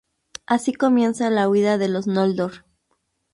Así comienza la huida de los Noldor.